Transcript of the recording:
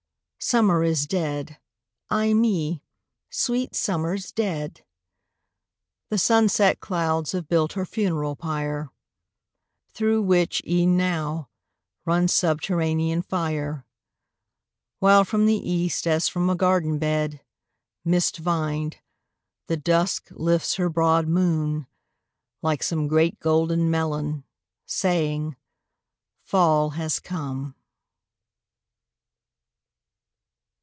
Summer is dead, ay me! sweet Summer's dead! The sunset clouds have built her funeral pyre, Through which, e'en now, runs subterranean fire: While from the East, as from a garden bed, Mist vined, the Dusk lifts her broad moon like some Great golden melon saying, "Fall has come."